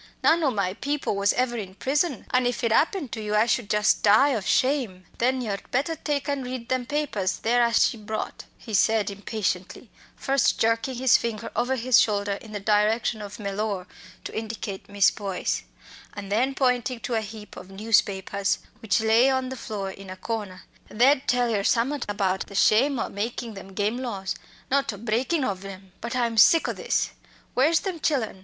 None o' my people was ever in prison an' if it 'appened to you I should just die of shame!" "Then yer'd better take and read them papers there as she brought," he said impatiently, first jerking his finger over his shoulder in the direction of Mellor to indicate Miss Boyce, and then pointing to a heap of newspapers which lay on the floor in a corner, "they'd tell yer summat about the shame o' makin' them game laws not o' breakin' ov 'em. But I'm sick o' this! Where's them chillen?